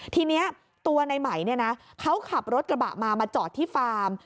ทีนี้ตัวนายไหมเขาขับรถกระบะมามาจอดที่ฟาร์ม